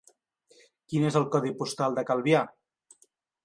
Quin és el codi postal de Calvià?